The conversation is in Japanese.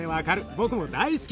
僕も大好き。